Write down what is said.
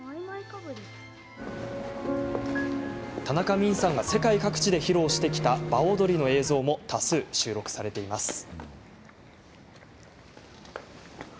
田中泯さんが世界各地で披露してきた場踊りの映像も多数収録されています。